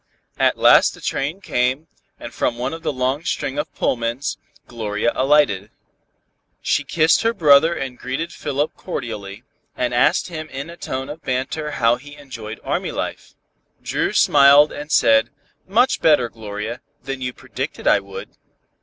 At last the train came and from one of the long string of Pullmans, Gloria alighted. She kissed her brother and greeted Philip cordially, and asked him in a tone of banter how he enjoyed army life. Dru smiled and said, "Much better, Gloria, than you predicted I would."